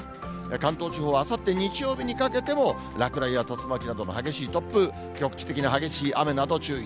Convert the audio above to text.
関東地方はあさって日曜日にかけても、落雷や竜巻などの激しい突風、局地的な激しい雨など注意。